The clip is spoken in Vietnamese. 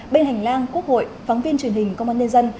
bên hành lang quốc hội phóng viên truyền hình công an nhân dân